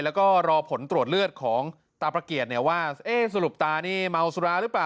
แล้วก็รอผลตรวจเลือดของตาประเกียจว่าสรุปตานี่เมาสุราหรือเปล่า